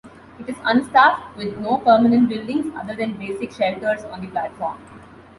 It is unstaffed, with no permanent buildings other than basic shelters on the platform.